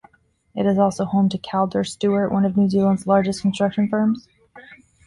It is also home to Calder Stewart, one of New Zealand's largest construction firms.